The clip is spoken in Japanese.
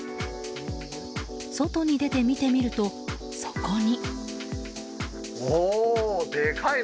外に出て見てみると、そこに。